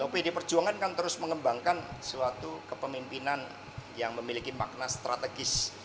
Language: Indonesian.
pdi perjuangan kan terus mengembangkan suatu kepemimpinan yang memiliki makna strategis